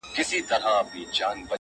غوجله لا هم خاموشه ده ډېر,